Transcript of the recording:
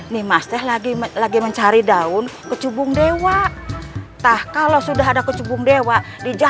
namun sudah sudah terayah kab cooking